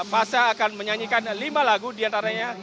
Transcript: fasa akan menyanyikan lima lagu diantaranya